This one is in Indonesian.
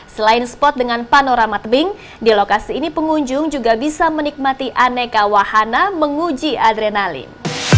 selain spot dengan panorama tebing di lokasi ini pengunjung juga bisa menikmati aneka wahana menguji adrenalin